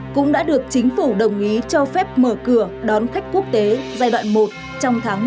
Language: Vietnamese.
cũng đã được chính phủ đồng ý cho phép mở cửa đón khách quốc tế giai đoạn một trong tháng một mươi một này